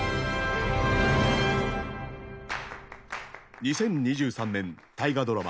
２０２３年大河ドラマ